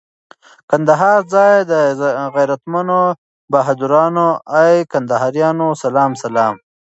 کندهار ځای د غیرتمنو بهادرانو، ای کندهاریانو سلام سلام